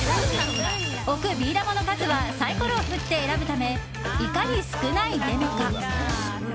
置くビー玉の数はサイコロを振って選ぶためいかに少ない出目か。